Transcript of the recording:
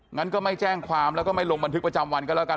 งั้นก็ไม่แจ้งความแล้วก็ไม่ลงบันทึกประจำวันกันแล้วกัน